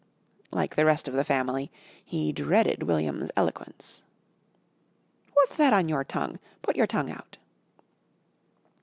Like the rest of the family, he dreaded William's eloquence. "What's that on your tongue! Put your tongue out."